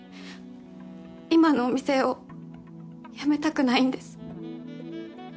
今のお店を辞めたくないんです。